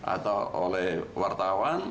atau oleh wartawan